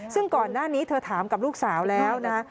ซึ่งก่อนหน้านี้เธอถามกับลูกสาวแล้วนะคะ